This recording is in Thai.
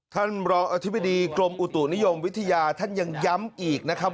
ท่านรองอธิบดีกรมอุตุนิยมวิทยาท่านยังย้ำอีกนะครับ